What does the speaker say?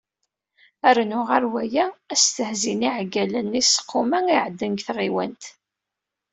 Rnu ɣer waya, asetehzi n yiεeggalen n yiseqquma i iεeddan deg tɣiwant.